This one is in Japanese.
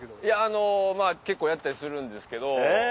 いやあのまあ結構やったりするんですけど。